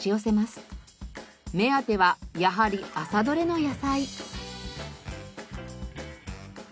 目当てはやはり朝採れの野菜。